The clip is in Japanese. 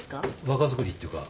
若作りっていうか。